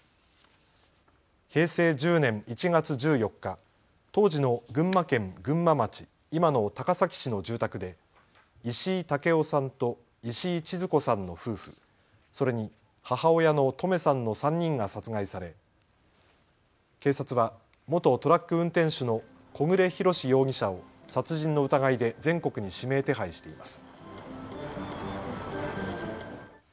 平成１０年１月１４日、当時の群馬県群馬町、今の高崎市の住宅で石井武夫さんと石井千津子さんの夫婦、それに母親のトメさんの３人が殺害され、警察は元トラック運転手の小暮洋史容疑者を殺人の疑いで全国に指名手配しています。